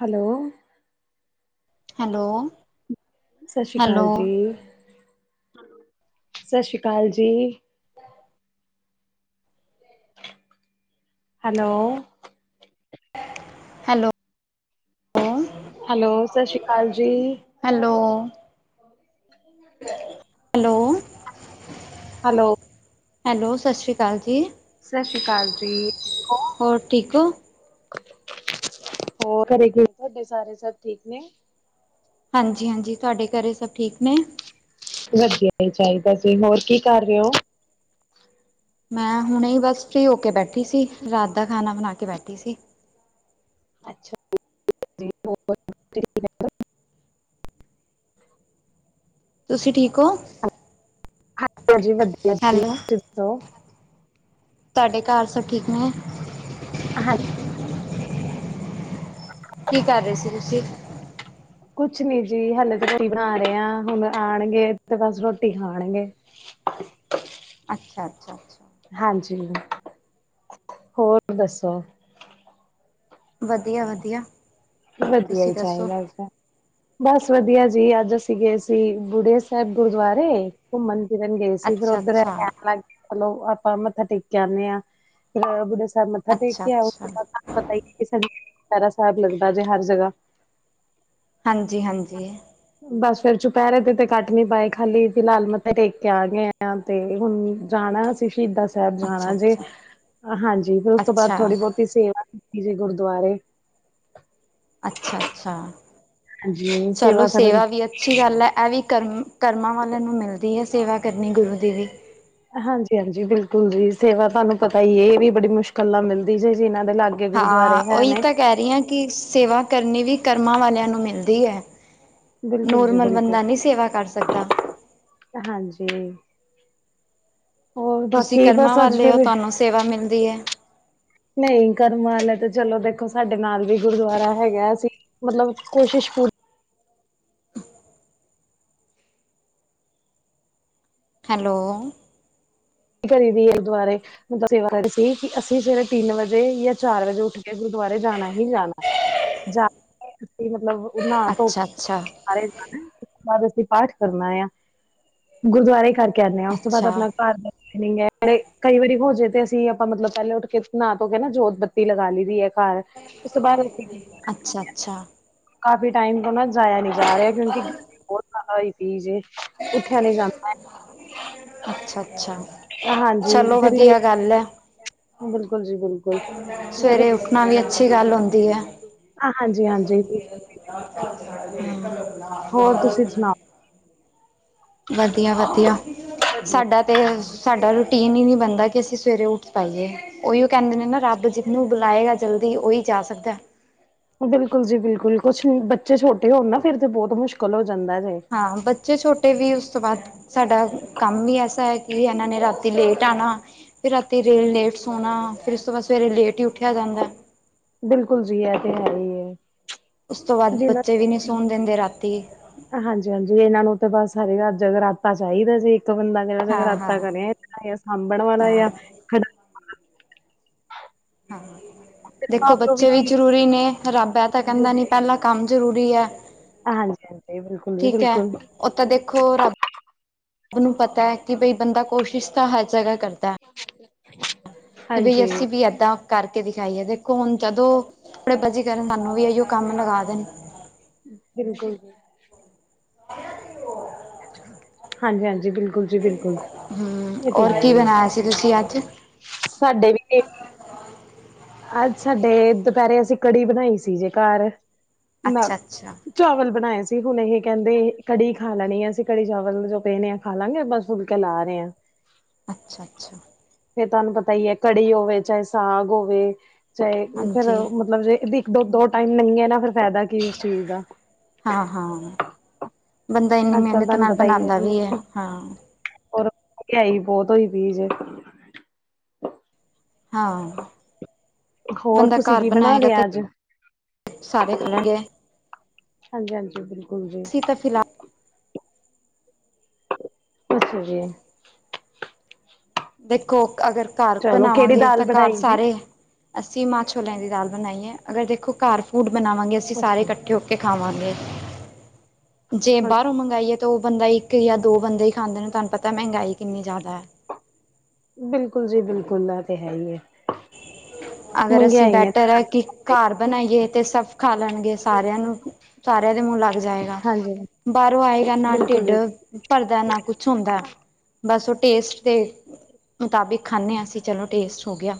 Hello? Hello ਸਤਿ ਸ਼੍ਰੀ hello ਅਕਾਲ ਜੀ- -ਸਤਿ ਸ੍ਰੀ ਅਕਾਲ ਜੀ। Hello hello. ਹੈਲੋ, ਸਤਿ ਸ਼੍ਰੀ ਅਕਾਲ ਜੀ ਹੈਲੋ ਹੈਲੋ? ਹੈਲੋ ਹੈਲੋ, ਸਤਿ ਸ਼੍ਰੀ ਅਕਾਲ ਜੀ? ਸਤਿ ਸ੍ਰੀ ਅਕਾਲ ਜੀ? ਹੋਰ ਠੀਕ ਹੋ ਹੋਰ ਘਰੇ, ਤੁਹਾਡੇ ਸਾਰੇ ਸਭ ਠੀਕ ਨੇ ਹਾਂਜੀ -ਹਾਂਜੀ ਤੁਹਾਡੇ ਘਰੇ ਸਭ ਠੀਕ ਨੇ? ਵਧੀਆ, ਹੀ ਚਾਹੀਦਾ ਸੀ, ਹੋਰ ਕੀ ਕਰ ਰਹੇ ਹੋ? ਮੈਂ ਹੁਣੇ ਹੀ, ਬਸ ਫਰੀ ਹੋ ਕੇ ਬੈਠੀ ਸੀ। ਰਾਤ ਦਾ ਖਾਣਾ ਬਣਾ ਕੇ ਬੈਠੀ ਸੀ। ਅੱਛਾ ਜੀ, ਤੁਸੀਂ, ਠੀਕ ਹੋ ਜੀ ਮੈਂ ਵਧੀਆ, ਜੀ ਹੈਲੋ ਤੁਸੀਂ ਦੱਸੋ? ਤੁਹਾਡੇ ਘਰ, ਸਭ ਠੀਕ ਨੇ? ਹਾਂਜੀ ਕੀ, ਕਰ ਰਹੇ ਸੀ ਤੁਸੀਂ? ਕੁਛ ਨਹੀਂ ਜੀ, ਹਾਲੇ ਤਾ ਰੋਟੀ ਹੀ ਬਣਾ ਰਹੇ ਆ, ਹੁਣ ਆਣਗੇ, ਬਸ ਰੋਟੀ ਖਾਣਗੇ [inaudible] [inaudible] ਅੱਛਾ- ਅੱਛਾ- ਅੱਛਾ ਹਾਂਜੀ, ਹੋਰ ਦੱਸੋ? ਵਧੀਆ- -ਵਧੀਆ ਵਧੀਆ ਤੁਸੀਂ ਹੀ, ਦੱਸੋ ਚਾਹੀਦਾ ਆ ਬਸ ਵਧੀਆ ਜੀ, ਅੱਜ ਅਸੀਂ ਗਏ ਸੀ ਬੁੜਿਆ ਸਾਹਿਬ ਗੁਰਦੁਆਰੇ ਘੁੰਮਣ ਫਿਰਨ ਗਏ ਸੀ। ਫਿਰ ਅੱਛਾ ਉੱਧਰ ਇਹ ਅੱਛਾ ਕਹਿਣ ਲੱਗ ਗਏ, ਚਲੋ ਆਪਾਂ ਮੱਥਾ ਟੇਕ ਆਣੇ ਆ ਫਿਰ ਬੁੜਿਆ ਸਾਹਿਬ ਮੱਥਾ ਟੇਕ ਅੱਛਾ ਕੇ ਆਏ, ਉਸ ਅੱਛਾ ਤੋਂ ਬਾਅਦ ਪਤਾ ਨਈ ਚੁਪਹਿਰਾ ਸਾਹਿਬ ਲੱਗਦਾ ਹਰ ਜਗ੍ਹਾ ਹਾਂਜੀ- ਹਾਂਜੀ ਬਸ ਫੇਰ, ਚੁਪਹਿਰੇ ਤੇ ਤੇ ਕੱਡ ਨੀ ਪਾਏ ਖਾਲੀ ਫਿਲਹਾਲ ਮੱਥੇ ਟੇਕ ਕੇ ਆ ਗਏ ਆ। ਤੇ ਹੁਣ ਜਾਣਾ, ਅਸੀਂ ਸ਼ਹੀਦਾਂ ਸ਼ਹੀਦਾ ਸਾਹਿਬ ਅੱਛਾ ਜਾਣਾ ਜੀ ਅੱਛਾ ਹਾਂਜੀ, ਫਿਰ ਉਸ ਤੋਂ ਬਾਅਦ ਅੱਛਾ ਥੋੜੀ ਬਹੁਤੀ ਸੇਵਾ ਕੀਤੀ ਜੇ ਗੁਰਦੁਆਰੇ ਅੱਛਾ- -ਅੱਛਾ ਹਾਂਜੀ ਚਲੋ ਕਰਨ ਸੇਵਾ ਵੀ ਅੱਛੀ ਗੱਲ ਹੈ, ਇਹ ਵੀ ਕਰਮਾਂ ਵਾਲਿਆਂ ਨੂੰ ਮਿਲਦੀ ਹੈ ਸੇਵਾ ਕਰਨੀ, ਗੁਰੂ ਦੀ ਵੀ ਹਾਂਜੀ ਹਾਂਜੀ ਬਿਲਕੁਲ ਜੀ, ਸੇਵਾ ਤੁਹਾਨੂੰ ਪਤਾ ਹੀ ਇਹ ਵੀ ਬੜੀ ਮੁਸ਼ਕਿਲ ਨਾਲ ਮਿਲਦੀ ਜੇ, ਜਿਨਾਂ ਦੇ ਨਾਲ ਹਾਂ, ਉਹੀ ਤਾਂ ਕਹਿ ਰਹੀ ਹਾਂ, ਕਿ ਸੇਵਾ ਕਰਨੀ ਵੀ ਕਰਮਾਂ ਵਾਲਿਆਂ ਨੂੰ, ਮਿਲਦੀ ਹੈ ਬਿਲਕੁਲ ਜੀ ਨੋਰਮਲ ਬਿਲਕੁਲ ਬੰਦਾ, ਨਹੀਂ ਸੇਵਾ ਕਰ ਸਕਦਾ। ਹਾਂਜੀ, ਹੋਰ ਤੁਸੀਂ ਬਾਕੀ ਕਰਮਾਂ ਬਸ ਅੱਜ ਵਾਲੇ ਹੋ ਫਿਰ ਤੁਹਾਨੂੰ ਸੇਵਾ, ਮਿਲਦੀ ਹੈ ਨਹੀਂ ਕਰਨ ਵਾਲੇ ਤੇ, ਚਲੋ ਦੇਖੋ ਸਾਡੇ ਨਾਲ ਵੀ ਗੁਰਦੁਆਰਾ, ਹੈਗਾ ਸੀ ਮਤਲਬ, ਕੋਸ਼ਿਸ਼ ਪੂਰੀ ਹੈਲੋ ਕਰੀ ਦੀ ਏ ਦੁਆਾਰੇ। ਮਤਲਬ ਸੇਵਾ ਕਰ ਸੀ ਕਿ ਅਸੀਂ ਸਵੇਰੇ ਤਿੰਨ ਵਜੇ ਜਾਂ ਚਾਰ ਵਜੇ ਉੱਠ ਕੇ ਗੁਰਦੁਆਰੇ ਜਾਨਾ ਹੀ ਜਾਨਾ। ਜਾ, ਮਤਲਬ ਉਹ ਨਾ ਧੋ ਕੇ, ਅੱਛਾ ਅੱਛਾ ਸਾਰੇ ਉਸ ਤੋਂ ਬਾਦ ਅਸੀਂ ਪਾਠ ਕਰਨਾ ਆ ਗੁਰਦੁਆਰੇ ਕਰਕੇ ਆਂਨੇ ਆ ਉਸ ਤੋਂ ਬਾਦ ਅੱਛਾ ਆਪਣਾ ਘਰ ਕਈ ਵਾਰੀ ਹੋ ਜੇ ਤੇ ਅਸੀਂ ਆਪਾਂ ਮਤਲਬ ਪਹਿਲੇ ਉੱਠ ਕੇ ਨਾ ਧੋ ਕੇ ਨਾ ਜੋਤ ਬੱਤੀ ਲਗਾ ਲੀ ਦੀ ਐ ਘਰ। ਉਸ ਤੋਂ ਬਾਦ ਅੱਛਾ ਅੱਛਾ ਕਾਫੀ ਟਾਈਮ ਕੋ ਨਾ ਜਾਇਆ ਨੀ ਜਾ ਰਿਹਾ ਕਿਉਂਕਿ ਗਰਮੀ ਬੋਤ ਜਾਦਾ ਹੋਈ। ਜੇ ਉੱਠਿਆ ਨਈ ਜਾਂ ਅੱਛਾ-ਅੱਛਾ, ਹਾਂਜੀ ਚਲੋ ਫਿਰ ਲੇ ਵਧੀਆ ਗੱਲ ਐ। ਬਿਲਕੁਲ ਜੀ ਬਿਲਕੁਲ ਸਵੇਰੇ ਉ ਨਾਲ ਵੀ ਅੱਛੀ ਗੱਲ ਹੁੰਦੀ ਐ ਹਾਂਜੀ ਹਾਂਜੀ ਹੋਰ ਤੁਸੀਂ [unintelligible] ਸੁਣਾਓ ਵਧੀਆ-ਵਧੀਆ, ਵਧੀਆ ਸਾਡਾ ਤੇ ਸਾਡਾ ਰੂਟੀਨ ਈ ਨੀ ਬਣਦਾ ਕਿ ਅਸੀਂ ਸਵੇਰੇ ਉ ਪਾਈਏ, ਓਈਓ ਕਹਿੰਦੇ ਨੇ ਨਾ ਰੱਬ ਜਿਨੂੰ ਬੁਲਾਏਗਾ ਜਲਦੀ ਓਈ ਜਾ ਸਕਦੈ। ਬਿਲਕੁਲ ਜੀ ਬਿਲਕੁਲ ਕੁਛ, ਬੱਚੇ ਛੋਟੇ ਹੋਨ ਨਾ ਫਿਰ ਤੇ ਬੋਤ ਮੁਸ਼ਕਲ ਹੋ ਜਾਂਦਾ ਜੇ। ਹਾਂ ਬੱਚੇ ਛੋਟੇ ਵੀ ਉਸ ਤੋਂ ਬਾਅਦ ਸਾਡਾ, ਕੰਮ ਈ ਐਸਾ ਐ ਏਨਾਂ ਨੇ ਰਾਤੀ ਲੇਟ ਆਣਾ, ਰਾਤੀ ਰੇ ਲੇਟ ਸੋਣਾ। ਫਿਰ ਉਸ ਤੋਂ ਬਾਅਦ ਸਵੇਰੇ ਲੇਟ ਈ ਉੱਠੇਆ ਜਾਂਦਾ ਐ। ਬਿਲਕੁਲ ਜੀ ਐ ਤੇ ਹੈ ਈ ਐ। ਉਸ ਤੋਂ ਬਾਦ ਬੱਚੇ ਵੀ ਨੀ ਸੌਣ ਦੇਂਦੇ ਰਾਤੀ। ਹਾਂਜੀ-ਹਾਂਜੀ ਇਹਨਾਂ ਨੂੰ ਤੇ ਬਸ ਸਾਰੀ ਰਾਤ ਜਗਰਾਤਾ ਚਾਈਦਾ ਜੇ ਇੱਕ ਬੰਦਾ ਹਾਂ ਹਾਂ ਜਗਰਾਤਾ ਕਰੇ ਸਾਂਭਣ ਵਾਲਾ ਹਾਂ ਆ ਫਿਰ ਦੇਖੋ ਮਾਂ-ਪਿਓ ਬੱਚੇ ਵੀ ਕੀ ਜ਼ਰੂਰੀ ਨੇ ਰੱਬ ਐ ਤਾਂ ਕੈਂਦਾ ਨੀ ਪੈਲਾ ਕੰਮ ਜ਼ਰੂਰੀ ਐ। ਹਾਂਜੀ-ਹਾਂਜੀ ਬਿਲਕੁਲ ਜੀ ਬਿਲਕੁਲ। ਉਹ ਤਾਂ ਦੇਖੋ ਰੱਬ ਰੱਬ ਨੂੰ ਪਤਾ ਐ ਕਿ ਬਈ ਬੰਦਾ ਕੋਸ਼ਿਸ਼ ਤਾਂ ਹਰ ਜਗ੍ਹਾ ਕਰਦਾ। [inaudible] ਇਵੇ ਹਾਂਜੀ ਐਸੀ ਬੀ ਐਦਾ ਕਰਕੇ ਦਿਖਾਈ ਹੈ ਦੇਖੋ ਹੁਣ ਜਦੋਂ, ਪੜੇਬਾਜੀ ਕਰਨ ਸਾਨੂੰ ਵੀ ਅਇਓ ਕੰਮ ਲਗਾ ਦੇਣ। ਬਿਲਕੁਲ। [unintelligible] ਹਾਂਜੀ-ਹਾਂਜੀ ਬਿਲਕੁਲ ਜੀ ਬਿਲਕੁਲ ਹੂੰ ਏ ਤੇ ਔਰ ਹੈ ਕੀ ਈ ਏ। ਬਣਾਇਆ ਤੁਸੀਂ ਅੱਜ। ਸਾਡੇ ਵੀ ਅੱਜ ਸਾਡੇ, ਦਪੈਰੇ ਅਸੀਂ ਕੜੀ ਬਣਾਈ ਸੀ ਜੇ ਘਰ। ਨਾ ਅੱਛਾ-ਅੱਛਾ ਚਾਵਲ ਬਨਾਏ ਸੀ ਹੁਨ ਏਹੇ ਕੇਂਦੇ, ਕੜੀ ਖਾ ਲੈਣੀ ਅਸੀਂ ਕੜੀ ਚਾਵਲ ਜੋ ਪੇ ਨੇ। ਖਾ ਲਾਂਗੇ ਬਸ ਫੁਲਕੇ ਲਾ ਰੇ ਆਂ। ਅੱਛਾ-ਅੱਛਾ। ਫੇਰ ਤੁਆਨੂੰ ਪਤਾ ਈ ਐ ਕੜੀ ਹੋਵੇ, ਚਾਹੇ ਸਾਗ ਹੋਵੇ, ਚਾਹੇ ਫੇਰ ਹਾਂਜੀ ਮਤਲਬ ਜੇ ਬਸ ਦੋ ਟਾਈਮ ਨਈ ਐ ਨਾ ਫੇਰ ਫਾਇਦਾ ਕੀ ਉਸ ਚੀਜ਼ ਦਾ। ਹਾਂ-ਹਾਂ, ਬੰਦਾ ਇੰਨੀ ਅੱਜ ਕੱਲ ਮਿਹਨਤ ਤੁਹਾਨੂੰ ਨਾਲ ਬਣਾਂਦਾ ਵੀ ਐ, ਹਾਂ। ਹੋਰ ਮਹਿੰਗਿਆਈ ਬੋਹੋਤ ਹੋਈ ਦੀ ਜੇ। ਹਾਂ, ਹੋਰ ਬੰਦਾ ਤੁਸੀਂ ਘਰ ਕੀ ਬਣਾ ਬਣਾਏਗਾ ਤੇ ਲਿਆ ਅੱਜ ਸਾਰੇ ਖਲਣਗੇ ਹਾਂਜੀ-ਹਾਂਜੀ, ਬਿਲਕੁਲ ਜੀ। ਤੇ ਫਿਲਹਾਲ ਅੱਛਾ ਜੀ। ਦੇਖੋ ਅਗਰ ਘਰ ਚਲੋ ਕਿਹੜੀ ਬਣਾਵਾਂਗੇ ਦਾਲ ਤਾਂ ਘਰ ਬਣਾਈ ਜੀ ਸਾਰੇ ਅਸੀਂ ਮਾਂ ਛੋਲਿਆਂ ਦੀ ਦਾਲ ਬਣਾਈ ਹੈ। ਅਗਰ ਦੇਖੋ ਘਰ ਫੂਡ ਬਣਾਵਾਂਗੇ ਅਸੀਂ ਸਾਰੇ ਅੱਛਾ ਇਕੱਠੇ ਹਾਂ ਹੋ ਕੇ ਖਾਵਾਂਗੇ ਜੇ ਬਾਹਰੋਂ ਮੰਗਵਾਾਈਏ ਤਾਂ ਉਹ ਬੰਦਾ ਹੀ ਕਿਆ ਦੋ ਬੰਦੇ ਹੀ ਖਾਂਦੇ ਨੇ ਤੁਹਾਨੂੰ ਪਤਾ ਮਹਿੰਗਾਈ ਕਿੰਨੀ ਜ਼ਿਆਦਾ। ਬਿਲਕੁਲ ਜੀ ਬਿਲਕੁਲ ਨਾ ਤੇ ਹੈ ਹੀ ਹੈ। ਅਗਰ ਅਸੀਂ ਮਹਿੰਗਾਈ ਨੇ ਬੈਟਰ ਹੈ ਕਿ ਘਰ ਬਣਾਈਏ ਤੇ ਸਭ ਖਾ ਲੈਣਗੇ ਸਾਰਿਆਂ ਨੂੰ ਸਾਰਿਆਂ ਦੇ ਮੁਹ ਜਾਏਗਾ ਹਾਂਜੀ ਬਾਹਰੋਂ ਆਏਗਾ ਨਾ ਬਿਲਕੁਲ ਜੀ ਢਿੱਡ- ਭਰਦਾ ਨਾ ਕੁਛ ਹੁੰਦਾ ਬਸ ਉਹ ਟੇਸਟ ਤੇ ਮੁਤਾਬਿਕ ਖਾਂਦੇ ਹਾਂ ਅਸੀਂ ਚਲੋ ਟੇਸਟ ਹੋ ਗਿਆ।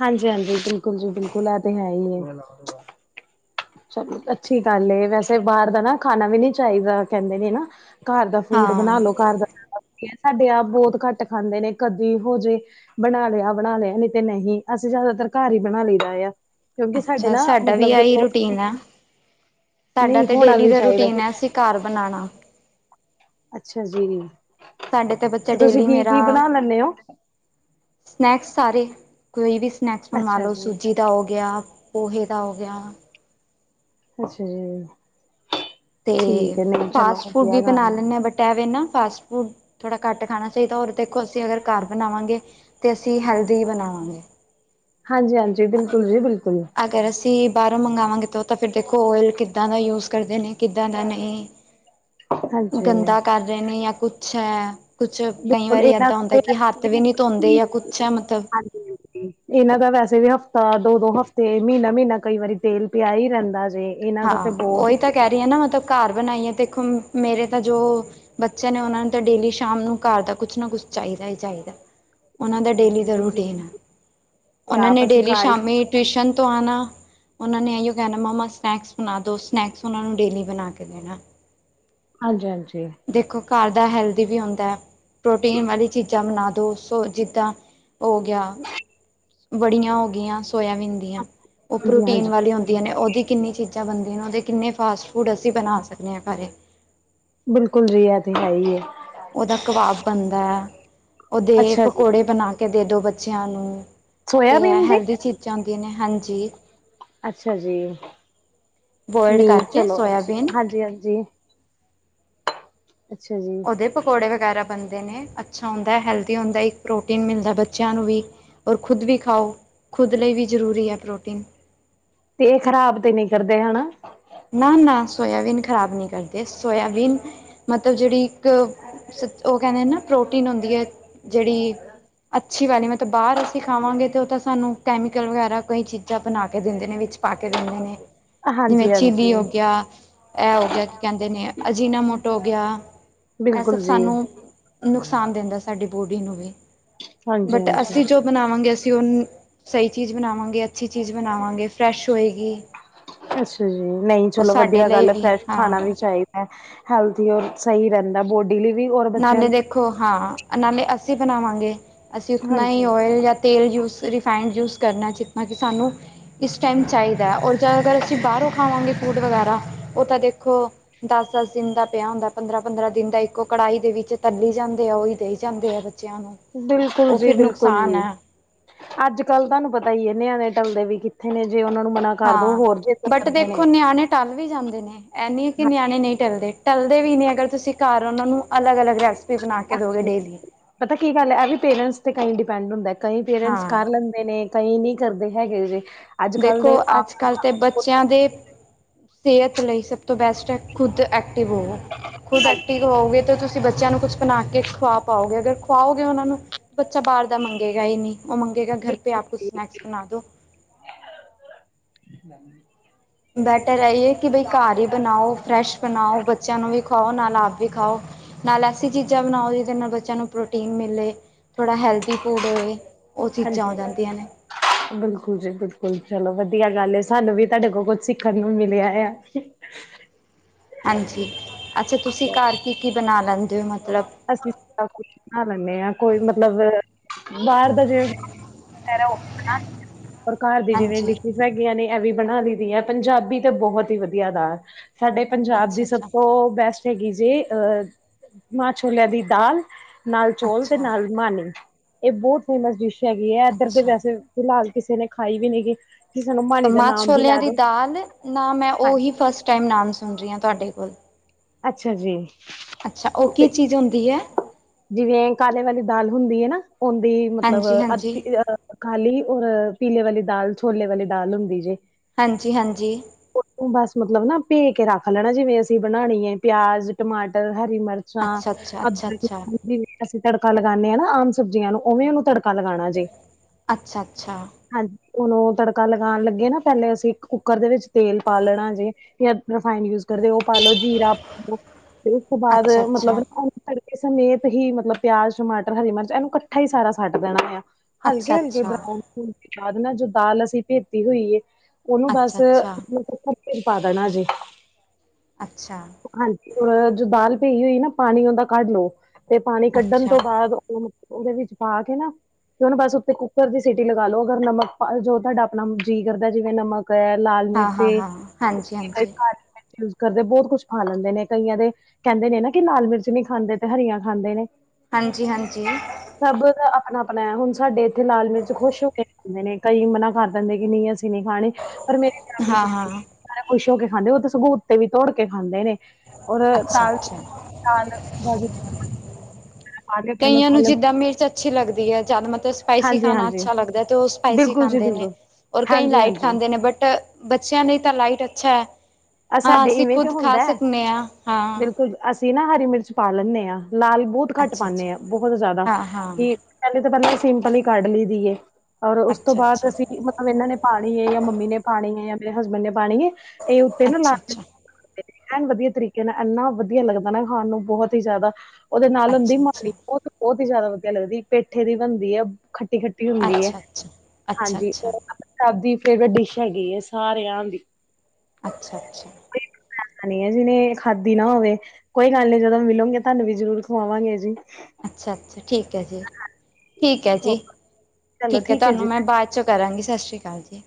ਹਾਂਜੀ, ਹਾਂਜੀ ਬਿਲਕੁਲ ਜੀ ਬਿਲਕੁਲ ਇਹ ਤੇ ਹੈ ਹੀ ਹੈ। ਚਲੋ ਅੱਛੀ ਗੱਲ ਵੈਸੇ ਬਾਹਰ ਦਾ ਨਾ ਖਾਣਾ ਵੀ ਨਹੀਂ ਚਾਹੀਦਾ ਕਹਿੰਦੇ ਨੇ ਹਨ। ਘਰ ਦਾ ਫੂਡ ਬਣਾ ਹਾਂ ਲੋ ਘਰ ਦਾ ਸਾਡੇ ਆਪ ਬਹੁਤ ਘੱਟ ਖਾਂਦੇ ਨੇ ਕਦੇ ਹੋ ਜਾਏ ਬਣਾ ਲਿਆ, ਬਣਾ ਲਿਆ ਨਹੀਂ ਤੇ ਨਹੀਂ ਅਸੀਂ ਜਿਆਦਾਤਰ ਘਰ ਹੀ ਬਣਾ ਲਈਦਾ ਆ ਕਿਉਂਕਿ ਸਾਡੇ ਅੱਛਾ ਨਾ ਸਾਡਾ ਵੀ ਮਤਲਬ ਆਹੀ ਜਦੋਂ ਰੂਟੀਨ ਆ ਸਾਡਾ ਨਹੀਂ ਤੇ ਹੋਣਾ ਡੇਲੀ ਵੀ ਦਾ ਚਾਹੀਦਾ ਰੂਟੀਨ ਕਿ ਹੈ ਅਸੀਂ ਘਰ ਬਣਾਉਣਾ। ਅੱਛਾ ਜੀ ਸਾਡੇ ਤਾਂ ਬੱਚਾ ਤੇ ਤੁਸੀਂ ਡੇਲੀ ਕੀ ਮੇਰਾ ਕੀ ਬਣਾ ਲੈਂਦੇ ਹੋ। ਸਨੈਕਸ ਸਾਰੇ ਕੋਈ ਵੀ ਸਨੈਕਸ ਬਨਵਾ ਅੱਛਾ ਲੋ ਜੀ ਸੂਜੀ ਦਾ ਹੋ ਗਿਆ ਪੋਹੇ ਦਾ ਹੋ ਗਿਆ। ਅੱਛਾ ਜੀ। ਤੇ ਠੀਕ ਹੈ ਨਹੀਂ ਚਲੋ ਫਾਸਟ ਫੂਡ ਵੀ ਵਧੀਆ ਗੱਲ ਬਣਾ ਏ। ਲੈਂਦੇ ਹਾਂ ਬਟ ਐਵੇਂ ਨਾ ਫਾਸਟ ਫੂਡ ਥੋੜ੍ਹਾ ਘੱਟ ਖਾਣਾ ਚਾਹੀਦਾ ਔਰ ਦੇਖੋ ਅਸੀਂ ਅਗਰ ਘਰ ਬਣਾਵਾਂਗੇ। ਤੇ ਅਸੀਂ ਹੈਲਦੀ ਬਣਾਵਾਂਗੇ। ਹਾਂਜੀ, ਹਾਂਜੀ ਬਿਲਕੁਲ ਜੀ ਬਿਲਕੁਲ। ਅਗਰ ਅਸੀਂ ਬਾਹਰੋਂ ਮੰਗਾਵਾਵਾਂਗੇ ਤਾਂ ਤਾਂ ਫਿਰ ਦੇਖੋ ਓਇਲ ਕਿੱਦਾਂ ਦਾ ਯੂਜ਼ ਕਰਦੇ ਨੇ ਕਿੱਦਾਂ ਦਾ ਨਹੀਂ। ਹਾਂਜੀ ਗੰਦਾ ਕਰ ਰਹੇ ਨੇ ਜਾਂ ਕੁੱਛ ਹੈ। ਕੁਛ ਕਈ ਬਿਲਕੁਲ ਵਾਰੀ ਇਹਨਾਂ ਏਦਾਂ ਹੁੰਦਾ ਦਾ ਕਿ ਹੱਥ ਵੀ ਨੀ ਤੇ ਧੋਂਦੇ ਜਾਂ ਕੁੱਛ ਹੈ ਮਤਲਬ ਹਾਂਜੀ ਹਾਂਜੀ ਇਹਨਾਂ ਦਾ ਵੈਸੇ ਵੀ ਹਫ਼ਤਾ ਦੋ ਦੋ ਹਫ਼ਤੇ ਮਹੀਨਾ, ਮਹੀਨਾ ਕਈ ਵਾਰੀ ਤੇਲ ਪਿਆ ਹੀ ਰਹਿੰਦਾ ਜੇ ਇਹਨਾਂ ਦਾ ਤੇ ਹਾਂ ਬਹੁਤ ਉਓਹੀ ਤਾਂ ਕਹਿ ਰਹੀ ਹ ਨਾ ਮਤਲਬ ਘਰ ਬਣਾਈਏ ਦੇਖੋ ਮੇਰੇ ਤਾਂ ਜੋ ਬੱਚਿਆਂ ਨੇ ਉਹਨਾਂ ਨੂੰ ਤਾਂ ਡੇਲੀ ਸ਼ਾਮ ਨੂੰ ਘਰ ਦਾ ਕੁਛ ਨਾ ਕੁਛ ਚਾਹੀਦਾ ਹੀ ਚਾਹੀਦਾ। ਉਹਨਾਂ ਦਾ ਜੀ ਡੇਲੀ ਦਾ ਬਿਲਕੁਲ ਜੀ ਰੂਟੀਨ ਹੈ ਉਹਨਾਂ ਨੇ ਆਪ ਅਸੀਂ ਡੇਲੀ ਘਰ ਹੀ ਸ਼ਾਮੀ ਟਿਊਸ਼ਨ ਤੋਂ ਆਉਣਾ ਉਹਨਾਂ ਨੇ ਇਓ ਕਹਿਣਾ ਮਂਮਾ ਸਨੈਕਸ ਬਣਾ ਦਉ ਸਨੈਕਸ ਉਹ ਨੂੰ ਡੇਲੀ ਬਣਾ ਕੇ ਦੇਣਾ। ਹਾਂਜੀ, ਹਾਂਜੀ। ਦੇਖੋ ਘਰ ਦਾ ਹੈਲਦੀ ਵੀ ਹੁੰਦਾ ਪ੍ਰੋਟੀਨ ਵਾਲੀ ਚੀਜ਼ਾਂ ਬਣਾ ਦਿਉ ਸੋ ਜਿੱਦਾਂ ਹੋ ਗਿਆ ਵੜੀਆਂ ਹੋ ਗਈਆਂ ਸੋਆਬੀਨ ਦੀਆਂ। ਉਹ ਹਾਂਜੀ ਪ੍ਰੋਟੀਨ ਹਾਂਜੀ ਵਾਲੀਆਂ ਹੁੰਦੀ ਨੇ ਉਹਦੀ ਕਿੰਨੀ ਚੀਜ਼ਾਂ ਬਣਦੀਆਂ ਨੇ ਉਹਦੇ ਕਿੰਨੇ ਫਾਸਟ ਫੂਡ ਅਸੀਂ ਬਣਾ ਸਕਦੇ ਹ ਘਰੇ ਬਿਲਕੁਲ ਜੀਹੀ ਇਹ ਤੇ ਹੈ ਹੀ ਹੈ। ਉਹਹਦਾ ਕਬਾਬ ਬਣਦਾ ਹੈ ਉਹਦੇ ਅੱਛਾ ਜੀ ਪਕੌੜੇ ਬਣਾ ਕੇ ਦੇ ਦੋ ਬੱਚਿਆਂ ਨੂੰ ਤੇ ਸੋਇਆਬੀਨ ਦੀ ਹੈਲਦੀ ਚੀਜ਼ਾਂ ਆਉੁੰਦੀਆਂ ਨੇ ਹਾਂਜੀ। ਅੱਛਾ ਜੀ ਬੋਇਲਡ ਨੀ ਕਰਕੇ ਚਲੋ ਅੱਛੀ ਸੋਇਆਬੀਨ ਹਾਂਜੀ, ਹਾਂਜੀ। ਅੱਛਾ ਜੀ। ਦੇ ਪਕੌੜੇ ਵਗੈਰਾ ਬਣਦੇ ਨੇ ਅੱਛਾ ਹੁੰਦਾ ਹੈਲਦੀ ਹੁੰਦਾ ਇੱਕ ਪ੍ਰੋਟੀਨ ਮਿਲਦਾ ਬੱਚਾ ਬੱਚਿਆਂ ਨੂੰ ਵੀ, ਔਰ ਖੁਦ ਵੀ ਖਾਓ, ਖੁਦ ਲਈ ਵੀ ਜ਼ਰੂਰੀ ਐ ਪ੍ਰੋਟੀਨ। ਤੇ ਇਹ ਖ਼ਰਾਬ ਤੇ ਨਹੀਂ ਕਰਦੇ ਹਨਾ। ਨਾ ਨਾ ਸੋਇਆਬੀਨ ਖਰਾਬ ਨਹੀਂ ਕਰਦੇ, ਸੋਇਆਬੀਨ ਮਤਲਬ ਜਿਹੜੀ ਇੱਕ ਸੀ ਉਹ ਕਹਿੰਦੇ ਨਾ ਪ੍ਰੋਟੀਨ ਹੁੰਦੀ ਐ, ਜਿਹੜੀ ਅੱਛੀ ਵਾਲੀ, ਮਤਲਬ ਬਾਹਰ ਅਸੀਂ ਖਾਵਾਂਗੇ ਤੇ ਉਹ ਤਾਂ ਸਾਨੂੰ ਕੈਮੀਕਲ ਵਗੈਰਾ ਕਈ ਚੀਜ਼ਾਂ ਬਣਾ ਕੇ ਦਿੰਦੇ ਨੇ ਵਿੱਚ ਪਾ ਕੇ ਦਿੰਦੇ ਨੇ। ਹਾਂਜੀ। ਜਿਵੇਂ ਹਾਂਜੀ ਚੀਲੀ ਹੋ ਗਿਆ ਇਹ ਹੋ ਗਿਆ, ਕੀ ਕਹਿੰਦੇ ਨੇ ਅਜੀਨਾ ਮੋਟ ਹੋ ਗਿਆ। ਇਹ ਸਭ ਬਿਲਕੁਲ ਜੀ ਸਾਨੂੰ ਨੁਕਸਾਨ ਦਿੰਦਾ, ਸਾਡੀ ਬੋਡੀ ਨੂੰ ਵੀ। ਹਾਂਜੀ ਬਟ, ਹਾਂਜੀ ਅਸੀਂ ਜੋ ਬਣਾਵਾਂਗੇ ਅਸੀਂ ਉਹਨ ਸਹੀ ਚੀਜ਼ ਬਣਾਵਾਂਗੇ, ਅੱਛੀ ਚੀਜ਼ ਬਣਾਵਾਂਗੇ ਫਰੈਸ਼ ਹੋਏਗੀ। ਅੱਛਾ ਜੀ, ਨਹੀਂ ਉਹ ਚਲੋਂ ਸਾਡੇ ਵਧੀਆ ਲਈ ਗੱਲ ਐ ਵੀ ਫਰੈਸ਼ ਹਾਂ ਖਾਣਾ ਵੀ ਚਾਹੀਦਾ। ਹੈਲਥੀ ਔਰ ਸਹੀ ਰਹਿੰਦਾ, ਬੋਡੀ ਲਈ ਵੀ ਹੋਰ ਬੱਚਿਆਂ ਖੋ ਹਾਂ ਨਾਲੇ ਅਸੀਂ ਬਣਾਵਾਂਗੇ, ਅਸੀਂ ਉਤਨਾ ਹਾਂਜੀ ਹੀ ਓਇਲ ਜਾਂ ਤੇਲ ਯੂਸ ਰਿਫਾਇੰਡ ਯੂਜ ਕਰਨਾ ਜਿਤਨਾ ਕਿ ਸਾਨੂੰ ਇਸ ਟਾਈਮ ਚਾਹੀਦੈ, ਔਰ ਜਾਂ ਅਗਰ ਅਸੀਂ ਬਾਹਰੋਂ ਖਾਵਾਂਗੇ ਫੂਡ ਵਗੈਰਾ ਉਹ ਤਾਂ ਦੇਖੋ ਦਸ ਦਸ ਦਿਨ ਦਾ ਪਿਆ ਹੁੰਦੈ, ਪੰਦਰਾਂ ਪੰਦਰਾਂ ਦਿਨ ਦਾ ਇੱਕੋ ਕੜਾਹੀ ਦੇ ਵਿੱਚ ਤਲੀ ਜਾਂਦੇ ਆ ਉਹੀ ਦੇਈ ਜਾਂਦੇ ਆ ਬੱਚਿਆਂ ਨੂੰ। ਬਿਲਕੁਲ ਉਹ ਜੀ ਫਿਰ ਬਿਲਕੁਲ। ਨੁਕਸਾਨ ਹੈ ਅੱਜ ਕੱਲ੍ਹ ਤੁਹਾਨੂੰ ਪਤਾ ਹੀ ਐ, ਨਿਆਂਣੇ ਟਲਦੇ ਵੀ ਕਿੱਥੇ ਨੇ ਜੇ ਉਹਨਾਂ ਨੂੰ ਮਨਾ ਕਰ ਦੋ ਹਾਂ ਹੋਰ ਜਿੱਦ ਬਟ ਕਰਦੇ ਨੇ ਦੇਖੋ ਨਿਆਣੇ ਟਲ ਵੀ ਜਾਂਦੇ ਨੇ, ਇਹਨੀ ਕਿ ਨਿਆਣੇ ਨਹੀਂ ਟਲਦੇ ਟਲਦੇ ਵੀ ਨੇ, ਅਗਰ ਤੁਸੀਂ ਘਰ ਉਹਨਾਂ ਨੂੰ ਅਲੱਗ ਅਲੱਗ ਰੈਸਪੀ ਬਣਾ ਕੇ ਦੋਗੇ ਡੇਲੀ। ਪਤਾ ਕੀ ਗੱਲ ਐ, ਇਹ ਵੀ ਪੇਰੈਂਟਸ ਤੇ ਕਈ ਡਿਪੈਂਡ ਹੁੰਦੈ ਕਈ ਪੇਰੈਂਟਸ ਹਾਂ ਕਰ ਲੈਂਦੇ ਨੇ ਕਈ ਨੀ ਕਰਦੇ ਹੈਗੇ ਜੇ। ਅੱਜ ਕੱਲ੍ਹ ਦੇਖੋ ਦੇ ਮਾਂ ਅੱਜ ਕੱਲ੍ਹ ਤੇ ਪਿਓ ਬੱਚਿਆਂ ਦੀ ਸਿਹਤ ਲਈ ਸਭ ਤੋਂ ਬੈਸਟ ਐ, ਖੁਦ ਐਕਟਿਵ ਹੋਵੋ ਖੁਦ ਹਾਂਜੀ ਐਕਟਿਵ ਹੋਵੋਗੇ ਤਾਂ ਤੁਸੀਂ ਤੁਸੀਂ ਬੱਚਿਆਂ ਨੂੰ ਕੁਛ ਬਣਾ ਕੇ ਖੁਵਾ ਪਾਓਗੇ, ਅਗਰ ਖੁਵਾਓਗੇ ਉਹਨਾਂ ਨੂੰ ਬੱਚਾ ਬਾਹਰ ਦਾ ਮੰਗੇਗਾ ਹੀ ਨੀ। ਉਹ ਮੰਗੇਗਾ ਘਰ ਪੇ ਆਪ ਕੁਛ ਸਨੈਕਸ ਬਣਾ ਦੋ। ਹ [inaudible] ਬੈਟਰ ਹੈਹੀਏ ਕਿ ਬਈ ਘਰ ਹੀ ਬਣਾਓ, ਫਰੈਸ਼ ਬਣਾਓ ਬੱਚਿਆਂ ਨੂੰ ਵੀ ਖਾਓ ਨਾਲ ਆਪ ਵੀ ਖਾਓ, ਨਾਲ ਐਸੀ ਚੀਜ਼ਾਂ ਬਣਾਓ ਜਿਹਦੇ ਨਾਲ ਬੱਚਿਆਂ ਨੂੰ ਪ੍ਰੋਟੀਨ ਮਿਲੇ। ਥੋੜ੍ਹਾ ਹੈਲਦੀ ਫੂਡ ਹੋਏ, ਉਹ ਚੀਜ਼ਾਂ ਹੋ ਹਾਂਜੀ ਜਾਂਦੀਆਂ ਨੇ। ਬਿਲਕੁਲ ਜੀ ਬਿਲਕੁਲ ਚਲੋਂ ਵਧੀਆ ਗੱਲ ਐ, ਸਾਨੂੰ ਵੀ ਤੁਹਾਡੇ ਕੋਲ ਕੁਛ ਸਿੱਖਣ ਨੂੰ ਮਿਲਿਆ ਆ। ਹਾਂਜੀ ਅੱਛਾ, ਤੁਸੀਂ ਘਰ ਕੀ ਕੀ ਬਣਾ ਲੈਂਦੇ ਹੋ ਮਤਲਬ ਅਸੀਂ ਸਭ ਕੁਛ ਬਣਾ ਲੈਂਦੇ ਹਾਂ, ਕੋਈ ਮਤਲਬ ਬਾਹਰ ਦਾ ਜੇ ਘਰ ਦੀ ਜਿਵੇਂ ਡੀ ਹਾਂਜੀ ਹੈਗੀਆਂ ਨੇ ਇਹ ਵੀ ਬਣਾ ਲਈ ਦੀਆਂ, ਪੰਜਾਬੀ ਤੇ ਬਹੁਤ ਹੀ ਵਧੀਆ ਦਾਲ ਸਾਡੇ ਪੰਜਾਬ ਦੀ ਸਭ ਅੱਛਾ-ਅੱਛਾ, ਤੋਂ ਬੈਸਟ ਹੈਗੀ ਜੇ, ਅਹ ਮਾਂ ਛੋਲਿਆਂ ਦੀ ਦਾਲ। ਨਾਲ ਚੌਲ ਤੇ ਅੱਛਾ, ਨਾਲ ਮਾਨੀ, ਇਹ ਬਹੁਤ ਫੇਮਸ ਡਿਸ਼ ਹੈਗੀ ਹੈ ਇਧਰ ਦੇ ਅੱਛਾ। ਵੈਸੇ ਫਿਲਹਾਲ ਕਿਸੇ ਨੇ ਖਾਈ ਵੀ ਨੀ ਗੀ। ਕਿਸੇ ਨੂੰ ਮਾਣੀ ਦਾ ਮਾਂ ਨਾਮ ਵੀ ਛੋਲਿਆਂ ਲੈ ਦੀ ਦੋ ਦਾਲ, ਨਾ ਮੈਂ ਉਹੀ ਹਾਂਜੀ ਫਸਟ ਟਾਈਮ ਨਾਮ ਸੁਣ ਰਹੀ ਹਾਂ ਤੁਹਾਡੇ ਕੋਲ। ਅੱਛਾ ਜੀ। ਅੱਛਾ ਉਹ ਕੀ ਤੇ ਚੀਜ਼ ਹੁੰਦੀ ਐ? ਜਿਵੇਂ ਕਾਲੇ ਵਾਲੀ ਦਾਲ ਹੁੰਦੀ ਐ ਨਾ, ਉਹਦੀ ਮਤਲਬ ਹਾਂਜੀ-ਹਾਂਜੀ, ਅੱਧੀ ਅਹ ਕਾਲੀ ਔਰ ਪੀਲੇ ਵਾਲੀ ਦਾਲ ਛੋਲੇ ਵਾਲੀ ਦਾਲ ਹੁੰਦੀ ਜੇ। ਹਾਂਜੀ ਹਾਂਜੀ। ਬਸ ਮਤਲਬ ਨਾ ਭੇ ਕੇ ਰੱਖ ਲੈਣਾ ਐ, ਜਿਵੇਂ ਅਸੀਂ ਬਣਾਣੀ ਏ ਪਿਆਜ਼, ਟਮਾਟਰ, ਹਰੀ ਮਿਰਚ ਅੱਛਾ-ਅੱਛਾ, ਅੱਛਾ। ਅੱਛਾ-ਅੱਛਾ, ਜਿਵੇਂ ਅਸੀਂ ਤੜਕਾ ਲਗਾਨੇ ਆ ਨਾ ਆਮ ਸਬਜ਼ੀਆਂ ਨੂੰ ਉਵੇਂ ਉਹਨੂੰ ਤੜਕਾ ਲਗਾਣਾ ਜੇ। ਅੱਛਾ-ਅੱਛਾ ਹਾਂਜੀ ਹੁਣ ਉਹ ਤੜਕਾ ਲਗਾਉਣ ਲੱਗੇ ਨਾ ਪਹਿਲੇ ਅਸੀਂ ਕੁੱਕਰ ਦੇ ਵਿੱਚ ਤੇਲ ਪਾ ਲੈਣਾ ਜੇ ਜਾਂ ਰਿਫਾਈਡ ਯੂਜ ਕਰਦੇ ਉਹ ਪਾ ਲੋ, ਜੀਰਾ ਪਾ ਉਸ ਤੋਂ ਬਾਅਦ ਮਤਲਬ ਅੱਛਾ-ਅੱਛਾ, ਤੜਕੇ ਸਮੇਤ ਹੀ ਮਤਲਬ ਪਿਆਜ, ਟਮਾਟਰ, ਹਰੀ ਮਿਰਚ, ਇਹਨੂੰ ਇਕੱਠਾ ਹੀ ਸਾਰਾ ਸੱਟ ਦੇਣਾ ਆ ਹਲਕੇ-ਹਲਕੇ ਅੱਛਾ-ਅੱਛਾ, ਬਰਾਊਨ ਹੋਣ ਬਾਅਦ ਨਾ ਜੋ ਦਾਲ ਅਸੀਂ ਭੇਤੀ ਹੋਈ ਐ। ਅੱਛਾ-ਅੱਛਾ, [unintelligible] ਅੱਛਾ ਹਾਂਜੀ ਜੋ ਦਾਲ ਪਈ ਹੋਈ ਨਾ ਪਾਣੀ ਉਹਦਾ ਕੱਢ ਲੋ' ਤੇ ਪਾਣੀ ਕੱਢਣ ਅੱਛਾ, ਤੋਂ ਬਾਅਦ ਓ ਓਹੋ ਕਹਿੰਦੀ ਪਾ ਕੇ ਨਾ ਕਿਉਂ ਬਸ ਉੱਤੇ ਕੁੂੱਕਰ ਦੀ ਸੀਟੀ ਲਗਾ ਲਓ ਅਗਰ ਨਮਕ ਜੋ ਤੁਹਾਡਾ ਆਪਣਾ ਜੀਅ ਕਰਦਾ ਜਿਵੇਂ ਨਮਕ ਲਾਲ ਮਿਰਚ, ਹਾਂ-ਹਾਂ-ਹਾਂ, ਕ ਕਾਲ ਹਾਂਜੀ-ਹਾਂਜੀ, ਮਿਰਚ, ਯੂਜ ਕਰਦੇ ਬਹੁਤ ਕੁਛ ਖਾ ਲੈਂਦੇ ਨੇ ਕਈਆਂ ਦੇ ਕਹਿੰਦੇ ਨੇ' ਨਾ ਕਿ ਲਾਲ ਮਿਰਚ ਨਹੀਂ ਖਾਂਦੇ ਤੇ ਹਰੀਆਂ ਖਾਂਦੇ ਨੇ ਹਾਂਜੀ-ਹਾਂਜੀ ਸਭ ਆਪਣਾ-ਆਪਣਾ ਐ। ਹੁਣ ਸਾਡੇ ਇੱਥੇ ਲਾਲ ਮਿਰਚ ਖੁਸ਼ ਹੋ ਕੇ ਖਾਦੇ ਨੇ, ਕਈ ਮਨਾ ਕਰ ਦਿੰਦੇ ਕਿ ਨਹੀਂ ਅਸੀਂ ਨ' ਖਾਣੀ ਪਰ ਮੇਰੀ ਫ' ਬੰਦੇ ਹਾਂ-ਹਾਂ। ਸਾਰਾ ਖੁਸ਼ ਹੋ ਕੇ ਖਾਂਦੇ ਉਹ ਤੇ ਸਬੂਤ ਤੇ ਵੀ ਧੋੜ ਕੇ ਖਾਂਦੇ ਨੇ ਔਰ ਦਾਲ ਚ' ਅੱਛਾ-ਅੱਛਾ, ਦਾਲ ਬਾਜ ਕਈਆਂ ਨੂੰ ਜਿੱਦਾਂ ਮਿਰਚ ਅੱਛੀ ਲੱਗਦੀ ਹੈ ਜ ਮਲਬ ਸਪਾਈਸੀ ਹਾਂਜੀ ਖਾਣਾ ਹਾਂਜੀ ਅੱਛਾ ਲੱਗਦਾ ਤੇ ਉਹ ਸਪਾਈਸੀ ਬਿਲਕੁਲ ਜੀ ਖਾਂਦੇ ਨੇ ਬਿਲਕੁਲ ਔਰ ਕਈ ਹਾਂਜੀ ਲਾਈਟ ਹਾਂਜੀ ਖਾਂਦੇ ਨੇ ਬਟ ਬੱਚਿਆਂ ਲਈ ਤਾਂ ਲਾਈਟ ਅੱਛਾ ਹੈ। ਅ ਹਾਂ ਸਾਡੇ ਅਸੀਂ ਇਵੇਂ ਤੇ ਖੁੱਦ ਖਾ ਹੁੰਦਾ ਹੈ ਸਕਦੇ ਹਾਂ ਹਾਂ। ਬਿਲਕੁਲ ਅਸੀਂ ਨਾ ਹਰੀ ਮਿਰਚ ਪਾ ਲੈਂਨੇ ਆ। ਲਾਲ ਬੋਤ ਘੱਟ ਅੱਛਾ ਅੱਛਾ ਪਾਨੇ ਆ ਬਹੁਤ ਜ਼ਿਆਦਾ ਹਾਂ ਹਾਂ ਕਿ ਪਹਿਲੇ ਤਾਂ ਪਹਿਲਾਂ ਸਿੰਪਲ ਹੀ ਕੱਢ ਲਈ ਦੀ ਔਰ ਉਸ ਤੋਂ ਅੱਛਾ ਬਾਅਦ ਅੱਛਾ ਅਸੀਂਲ ਹ ਇਹਨਾਂ ਨੇ ਪਾਉਣੀ ਹੈ, ਜਾਂ ਮੰਮੀ ਨੇ ਪਾਉਣੀ ਹੈ, ਜਾਂ ਮੇਰੇ ਹਸਬੈਂਡ ਨੇ ਪਾਉਣੀ ਹੈ, ਇਹ ਉੱਤੇ ਨਾ ਲ ਅੱਛਾ ਅੱਛਾ ਐਨ ਵਧੀਆ ਤਰੀਕੇ ਨਾਲ ਇੰਨਾ ਵਧੀਆ ਲੱਗਦਾ ਨਾ ਖਾਣ ਨੂੰ ਬਹੁਤ ਹੀ ਜ਼ਿਆਦਾ ਓਦੇ ਨਾਲ ਹੁੰਦੀ ਅੱਛਾ ਮਾੜੀ। ਉਹ ਬਹੁਤ ਹੀ ਜ਼ਿਆਦਾ ਵਧੀਆ ਲੱਗਦੀ ਪੇਠੇ ਦੀ ਬਣਦੀ ਐ। ਖੱਟੀ-ਖੱਟੀ ਹੁੰਦੀ ਹੈ। ਅੱਛਾ ਅੱਛਾ ਅੱਛਾ ਅੱਛਾ ਹਾਂਜੀ ਅੱਛਾ ਉਹ ਸਭ ਦੀ ਫੇਵਰੇਟ ਡਿਸ਼ ਹੈਗੀ ਏ ਸਾਰਿਆਂ ਦੀ। ਅੱਛਾ-ਅੱਛਾ ਜੀਨੇ ਖਾਦੀ ਨਾ ਹੋਵੇ ਕੋਈ ਗੱਲ ਨੀ ਜਦੋਂ ਮੀਲੋਗੇ ਤੁਹਾਨੂੰ ਜਰੂਰ ਖਵਾਵਾਗੇ। ਅੱਛਾ-ਅੱਛਾ ਠੀਕ ਹੈ। ਜੀ ਠੀਕ ਹੈ। ਹੋ ਜੀ ਠੀਕ ਹੈ। ਤੁਹਾਨੂੰ ਮੈਂ ਬਾਅਦ ਬਾਚੋ ਕਰਾਂਗੀ, ਸਤਿ ਸ਼੍ਰੀ ਅਕਾਲ ਜੀ।